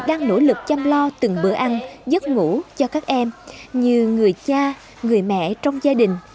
đang nỗ lực chăm lo từng bữa ăn giấc ngủ cho các em như người cha người mẹ trong gia đình